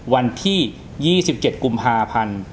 วันที่๒๗กุมภาพันธ์